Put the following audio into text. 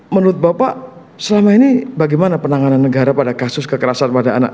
menurut bapak selama ini bagaimana penanganan negara pada kasus kekerasan pada anak